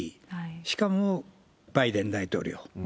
しかも、バイデン大統領。